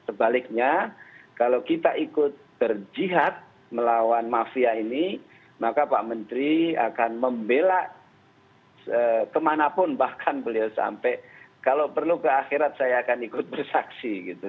sebaliknya kalau kita ikut berjihad melawan mafia ini maka pak menteri akan membela kemanapun bahkan beliau sampai kalau perlu ke akhirat saya akan ikut bersaksi gitu